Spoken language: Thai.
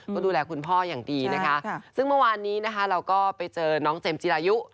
ก็ดูแลคุณพ่ออย่างดีนะคะซึ่งเมื่อวานนี้นะคะเราก็ไปเจอน้องเจมส์จิรายุ